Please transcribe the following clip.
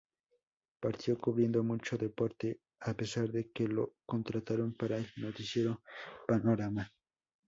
Partió cubriendo mucho deporte, a pesar de que lo contrataron para el noticiero "Panorama".